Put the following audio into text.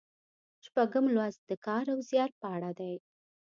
شپږم لوست د کار او زیار په اړه دی.